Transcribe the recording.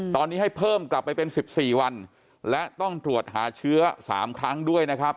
ตอนนี้ให้เพิ่มกลับไปเป็น๑๔วันและต้องตรวจหาเชื้อ๓ครั้งด้วยนะครับ